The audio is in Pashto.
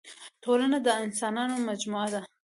ټولنه د اسانانو مجموعه ده.